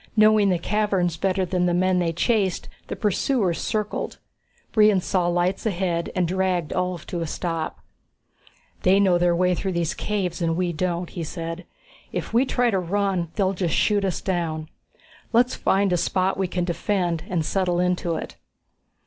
Knowing the caverns better than the men they chased, the pursuers circled. Brion saw lights ahead and dragged Ulv to a stop. "They know their way through these caves, and we don't," he said. "If we try to run they'll just shoot us down. Let's find a spot we can defend and settle into it."